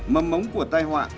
mầm mống của tai họa